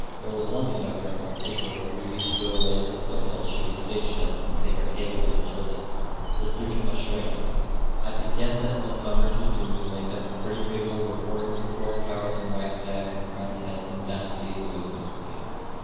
There was one conductor, in particular, who used to go away into the foot hills shooting sage hens and take our cablegrams with him. This threw too much strain on me. I could guess at what congress was doing and make up a pretty readable report, but foreign powers and reichstags and crowned heads and dynasties always mixed me up.